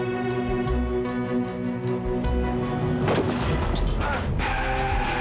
kamu pegang janji aku aja